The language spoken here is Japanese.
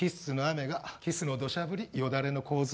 キスのどしゃ降りよだれの洪水。